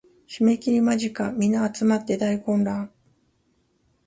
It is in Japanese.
締切間近皆が集って大混乱